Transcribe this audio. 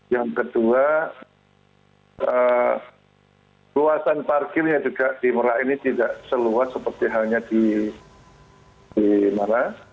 yang kedua luasan parkirnya juga di merak ini tidak seluas seperti halnya di mana